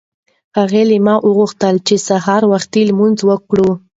هغې له ما نه وغوښتل چې سهار وختي لمونځ وکړه.